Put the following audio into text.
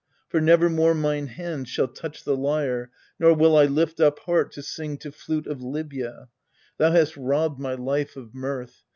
For never more mine hand shall touch the lyre : Nor will I lift up heart to sing to flute Of Libya : thou hast robbed my life of mirth.